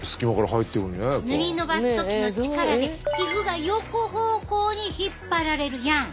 塗り伸ばす時の力で皮膚が横方向に引っ張られるやん。